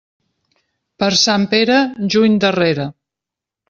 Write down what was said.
Per Sant Pere, juny darrere.